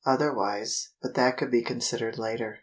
Otherwise but that could be considered later.